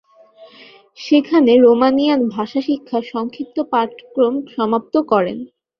সেখানে রোমানিয়ান ভাষা শিক্ষার সংক্ষিপ্ত পাঠক্রম সমাপ্ত করেন।